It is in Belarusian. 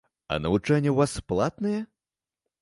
А навучанне ў вас платнае?